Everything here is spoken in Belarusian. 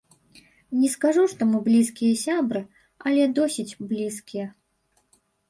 Не скажу, што мы блізкія сябры, але досыць блізкія.